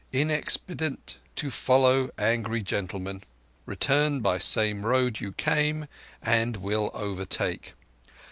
Inexpedient to follow angry gentlemen. Return by same road you came, and will overtake.